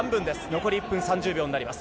残り１分３０秒になります。